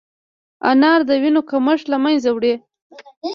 انار د وینې کمښت له منځه وړي.